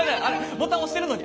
ボタン押してるのに！